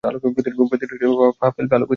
প্রতিটি পা ফেলবে আলোকিত পথে।